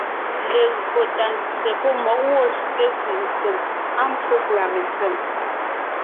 Legÿo tà ntse pɔ́ mmɔ̌g gwɔ̂ ssé fʉ̀’ ntsém, á mbwó pʉ̀a mentsém,